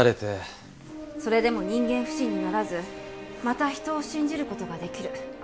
それでも人間不信にならずまた人を信じる事ができる。